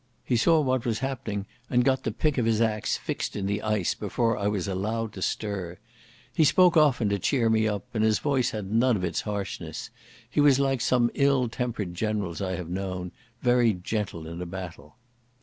He saw what was happening and got the pick of his axe fixed in the ice before I was allowed to stir. He spoke often to cheer me up, and his voice had none of its harshness. He was like some ill tempered generals I have known, very gentle in a battle.